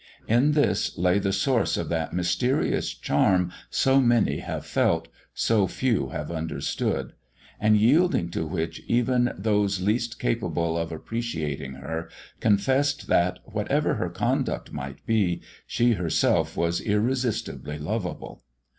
In this lay the source of that mysterious charm so many have felt, so few have understood, and yielding to which even those least capable of appreciating her confessed that, whatever her conduct might be, she herself was irresistibly lovable.